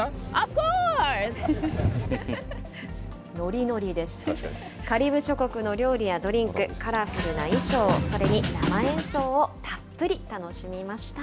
カリブ諸国の料理やドリンク、ドリンク、カラフルな衣装、それに生演奏をたっぷり楽しみました。